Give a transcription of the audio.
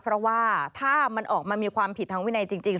เพราะว่าถ้ามันออกมามีความผิดทางวินัยจริง